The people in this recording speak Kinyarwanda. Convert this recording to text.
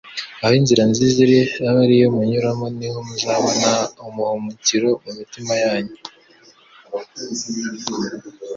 aho inzira nziza iri abe ariyo munyuramo niho muzabona ubumhukiro mu Witima yanyu'.»